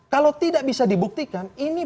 kalau tidak bisa dibuktikan ini